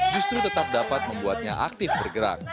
justru tetap dapat membuatnya aktif bergerak